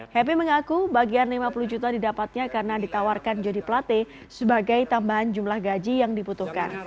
happy mengaku bagian lima puluh juta didapatnya karena ditawarkan jody plate sebagai tambahan jumlah gaji yang dibutuhkan